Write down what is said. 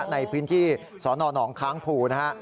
ในพื้นที่สนหนองค้างภูนะฮะ